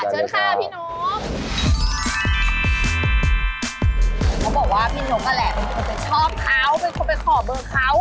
พูดคุยด้วยดีกว่าค่ะ